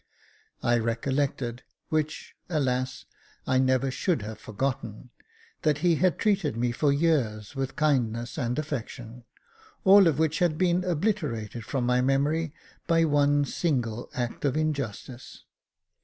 I recollected — which, alas ! I never should have forgotten — that he had treated me for years with kindness and affection, all of which had been obliterated from my memory by one single act of injustice.